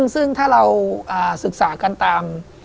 ซึ่งถ้าเราศึกษากันตาม